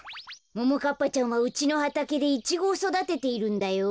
ももかっぱちゃんはうちのはたけでイチゴをそだてているんだよ。